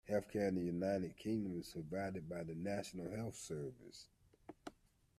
Healthcare in the United Kingdom is provided by the National Health Service